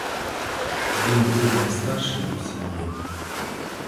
Він був найстарший у сім'ї.